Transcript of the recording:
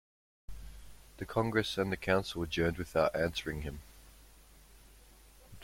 The congress and the Council adjourned without answering him.